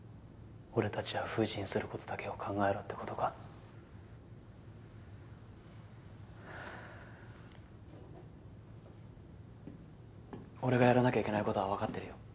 俺たちは封刃することだけを考えろってことか俺がやらなきゃいけないことは分かってるよ